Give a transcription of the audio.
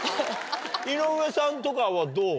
井上さんとかはどう？